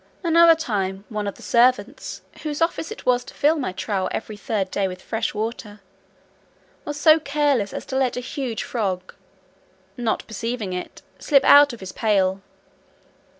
Another time, one of the servants, whose office it was to fill my trough every third day with fresh water, was so careless as to let a huge frog (not perceiving it) slip out of his pail.